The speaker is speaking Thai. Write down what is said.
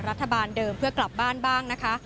รัฐบาลเดิมเพื่อกลับบ้านบ้างนะคะ